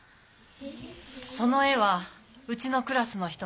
その絵はうちのクラスの人の絵でした。